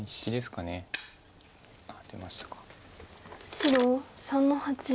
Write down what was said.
白３の八。